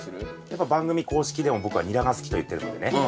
やっぱ番組公式でも僕はニラが好きと言ってるのでね。